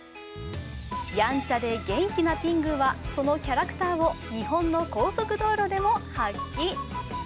やんちゃで元気なピングーはそのキャラクターを日本の高速道路でも発揮。